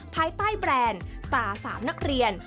ภายใต้แบรนด์ตรา๓นักเรียน